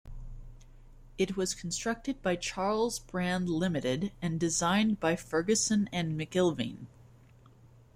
It was constructed by Charles Brand Limited and designed by Ferguson and McIlveen.